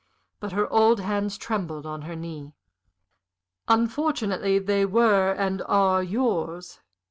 But her old hands trembled on her knee. "Unfortunately they were and are yours.